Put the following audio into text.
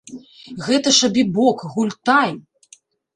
Гэта ж абібок, гультай!